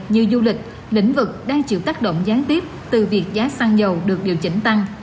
như du lịch lĩnh vực đang chịu tác động gián tiếp từ việc giá xăng dầu được điều chỉnh tăng